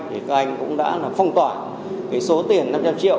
thì các anh cũng đã là phong tỏa cái số tiền năm trăm linh triệu